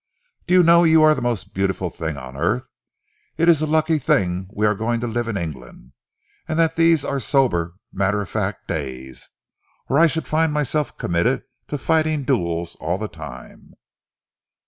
"Do you know you are the most beautiful thing on earth? It is a lucky thing we are going to live in England, and that these are sober, matter of fact days, or I should find myself committed to fighting duels all the time."